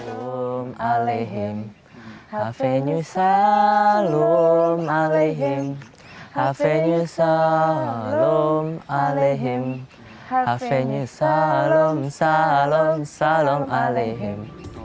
salam aleikum hapenu salam aleikum hapenu salam aleikum hapenu salam salam salam aleikum